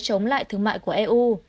chống lại thương mại của eu